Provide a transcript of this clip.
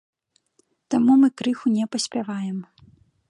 Таму мы крыху не паспяваем.